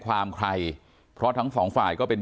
ความใครเพราะทั้งสองฝ่ายก็เป็น